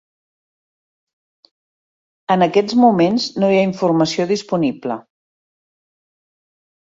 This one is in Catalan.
En aquests moments no hi ha informació disponible.